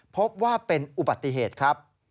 พบว่าเป็นอุบัติเหตุครับ